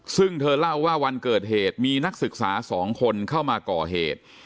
ซึ่งเธอเล่าว่าวันเกิดเหตุมีนักศึกษา๒คนเข้ามาก่อเหตุ